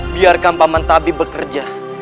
biarkan paman tabib bekerja